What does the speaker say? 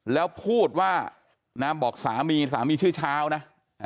แล้วพูดว่านะบอกสามีสามีชื่อเช้านะ